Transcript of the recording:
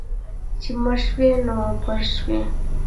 چې مړ شوې، نو پړ شوې.